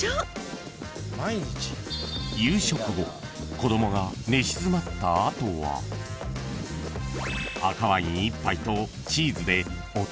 ［子供が寝静まった後は赤ワイン１杯とチーズで夫と晩酌］